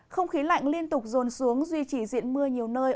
không khí lạnh liên tục rồn xuống duy trì diện mưa nhiều nơi